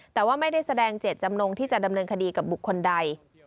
แต่ว่าไม่ได้แสดงเจตจำนงที่จะดำเนินคดีกับบุคคลใด